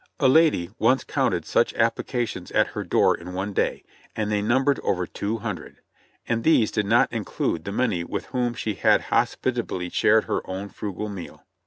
A lady once counted such applications at her door in one day, and they numbered over two hundred, and these did not include the many with whom she had hospitably shared her own frugal m.eal.